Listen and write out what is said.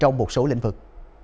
trong một số lĩnh vực